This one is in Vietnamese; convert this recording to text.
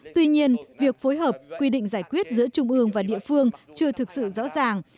tuy nhiên việc phối hợp quy định giải quyết giữa trung ương và địa phương chưa thực sự rõ ràng